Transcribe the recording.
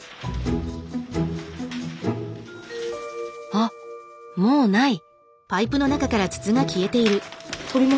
あっもうない。